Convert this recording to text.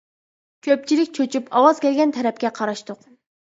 كۆپچىلىك چۆچۈپ ئاۋاز كەلگەن تەرەپكە قاراشتۇق.